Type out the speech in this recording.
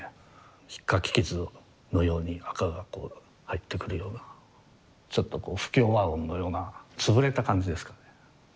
ひっかき傷のように赤がこう入ってくるようなちょっとこう不協和音のような潰れた感じですかね。